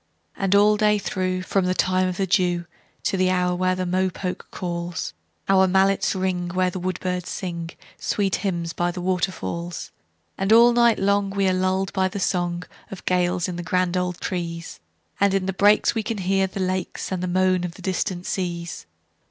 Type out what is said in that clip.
And all day through, from the time of the dewTo the hour when the mopoke calls, Our mallets ring where the woodbirds singSweet hymns by the waterfalls. And all night long we are lulled by the songOf gales in the grand old trees; And in the breaks we can hear the lakesAnd the moan of the distant seas.